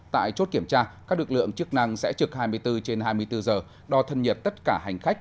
tại chốt kiểm tra các lực lượng chức năng sẽ trực hai mươi bốn trên hai mươi bốn giờ đo thân nhiệt tất cả hành khách